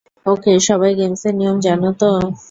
ওকে, সবাই গেমস এর নিয়ম জানো তো?